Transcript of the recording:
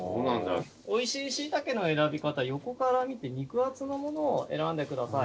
おいしいシイタケの選び方横から見て肉厚のものを選んでください。